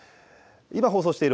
今放送している